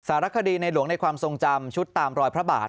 สารคดีในหลวงในความทรงจำชุดตามรอยพระบาท